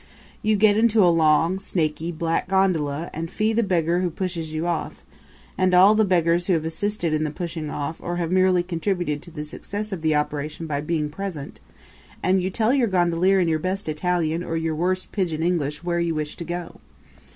You get into a long, snaky, black gondola and fee the beggar who pushes you off, and all the other beggars who have assisted in the pushing off or have merely contributed to the success of the operation by being present, and you tell your gondolier in your best Italian or your worst pidgin English where you wish to go.